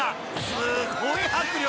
すごい迫力］